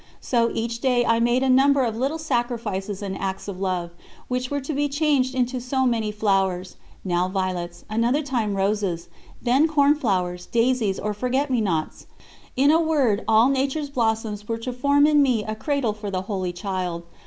So, each day I made a number of little sacrifices and acts of love, which were to be changed into so many flowers: now violets, another time roses, then cornflowers, daisies, or forget me nots in a word, all nature's blossoms were to form in me a cradle for the Holy Child.